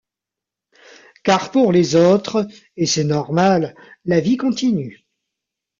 Car pour les autres – et c’est normal – la vie continue.